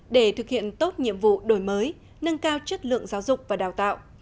để thực hiện tốt nhiệm vụ đổi mới nâng cao chất lượng giáo dục và đào tạo